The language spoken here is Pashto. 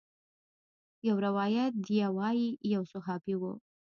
يو روايت ديه وايي يو صحابي و.